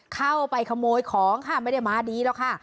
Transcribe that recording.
เข้าไปขโมยของค่ะไม่ได้มาดีหรอกค่ะ